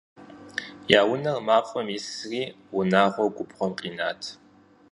Я унэр мафӀэм исри, унагъуэр губгъуэм къинат.